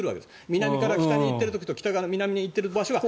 南から北に行ってる時と北から南に行ってる場所が。